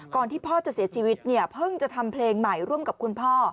ที่พ่อจะเสียชีวิตเนี่ยเพิ่งจะทำเพลงใหม่ร่วมกับคุณพ่อ